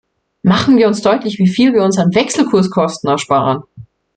Machen wir deutlich, wieviel wir uns an Wechselkurskosten ersparen!